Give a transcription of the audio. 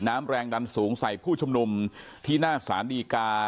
แรงดันสูงใส่ผู้ชุมนุมที่หน้าสารดีกา